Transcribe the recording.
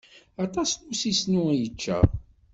Aṭas n usisnu i yečča.